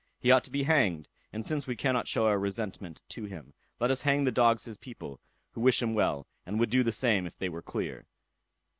he ought to be hanged; and since we cannot show our resentment to him, let us hang the dogs his people, who wish him well, and would do the same, if they were clear."